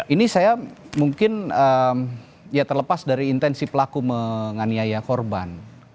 ini saya mungkin ya terlepas dari intensi pelaku menganiaya korban